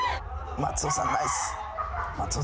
松尾さんナイス。